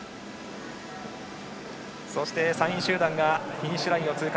そして、３位集団がフィニッシュラインを通過。